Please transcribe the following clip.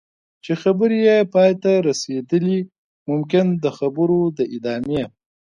چې خبرې یې پای ته رسېدلي ممکن د خبرو د ادامې.